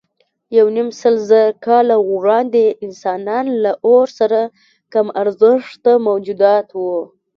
یونیمسلزره کاله وړاندې انسانان له اور سره کم ارزښته موجودات وو.